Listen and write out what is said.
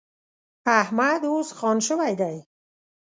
احمد اوس خان شوی دی.